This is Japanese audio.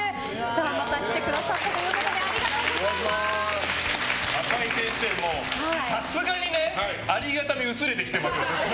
また来てくださったということで赤井先生もさすがにありがたみ薄れてきてますよ。